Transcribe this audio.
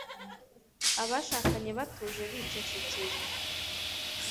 Abashakanye batuje bicecekeye